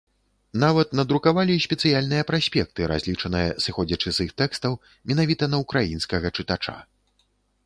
Нават надрукавалі спецыяльныя праспекты, разлічаныя, сыходзячы з іх тэкстаў, менавіта на ўкраінскага чытача.